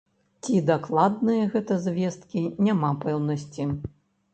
Ці дакладныя гэтыя звесткі, няма пэўнасці.